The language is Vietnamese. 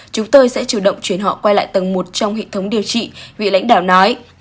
chúng tôi sẽ chủ động chuyển họ quay lại tầng một trong hệ thống điều trị vị lãnh đạo nói